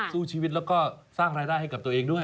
สู้ชีวิตแล้วก็สร้างรายได้ให้กับตัวเองด้วย